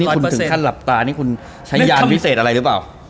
นี่คุณถึงขั้นหลับตาใช้ยามพิเศษอะไรหรือเปล่า